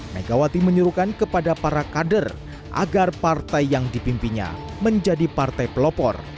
megawati menyuruhkan kepada para kader agar partai yang dipimpinnya menjadi partai pelopor